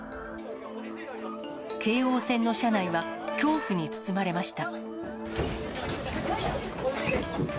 京王線の車内は、恐怖に包まれました。